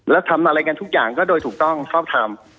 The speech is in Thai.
แล้วทำอะไรกันทุกอย่างก็โดยถูกต้องชอบทำ